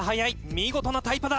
見事なタイパだ」